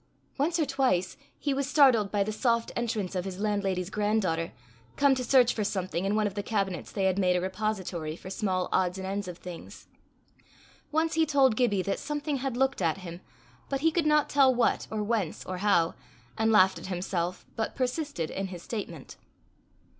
Once or twice he was startled by the soft entrance of his landlady's grand daughter, come to search for something in one of the cabinets they had made a repository for small odds and ends of things. Once he told Gibbie that something had looked at him, but he could not tell what or whence or how, and laughed at himself, but persisted in his statement.